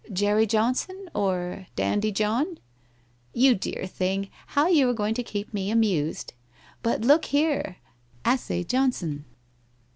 'Jerry Johnson, or Dandy John ?'' You dear thing, how you are going to keep me amused ! But look here — assez Johnson